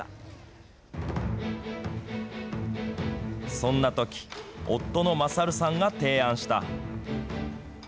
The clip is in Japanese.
そんなとき、夫の優さんが提案した。